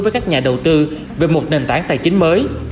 với các nhà đầu tư về một nền tảng tài chính mới